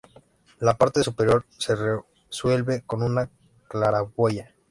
La parte superior se resuelve con una claraboya.